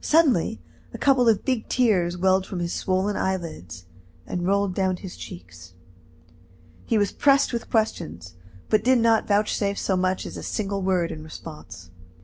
Suddenly a couple of big tears welled from his swollen eyelids, and rolled down his cheeks. He was pressed with questions, but did not vouchsafe so much as a single word in response.